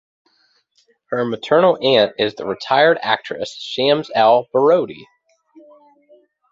Her maternal aunt is the retired actress Shams El Baroudi.